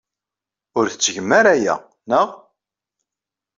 Ur tettgem ara aya, naɣ?